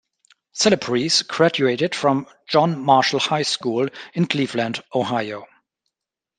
Celebrezze graduated from John Marshall High School in Cleveland, Ohio.